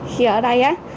khi ở đây á